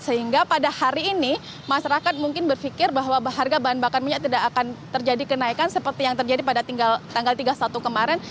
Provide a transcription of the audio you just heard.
sehingga pada hari ini masyarakat mungkin berpikir bahwa harga bahan bakar minyak tidak akan terjadi kenaikan seperti yang terjadi pada tanggal tiga puluh satu kemarin